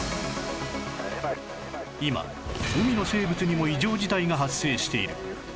今海の生物にも異常事態が発生している